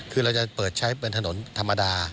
คือเราจะเปิดใช้เป็นถนนธรรมดา